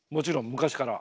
昔から。